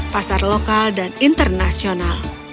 barang antik mereka sekarang dijual di keduanya